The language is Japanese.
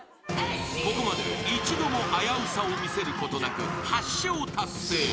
［ここまで一度も危うさを見せることなく８笑達成］